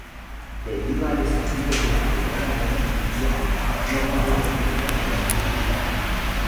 Debido al estallido de la I Guerra Mundial, no pudo completar sus estudios.